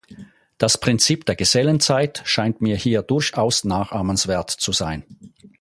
Das Prinzip der Gesellenzeit scheint mir hier durchaus nachahmenswert zu sein.